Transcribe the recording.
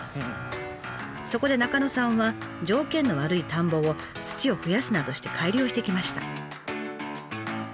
そこで中野さんは条件の悪い田んぼを土を増やすなどして改良してきました。